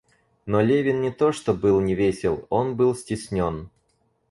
Но Левин не то что был не весел, он был стеснен.